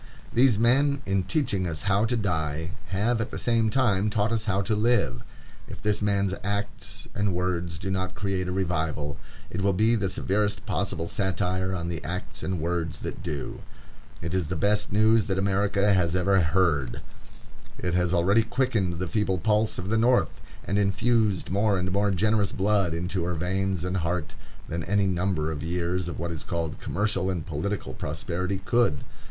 These men, in teaching us how to die, have at the same time taught us how to live. If this man's acts and words do not create a revival, it will be the severest possible satire on the acts and words that do. It is the best news that America has ever heard. It has already quickened the feeble pulse of the North, and infused more and more generous blood into her veins and heart, than any number of years of what is called commercial and political prosperity could.